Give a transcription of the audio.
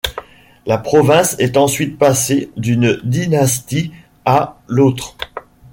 La province est ensuite passée d'une dynastie à l'autre.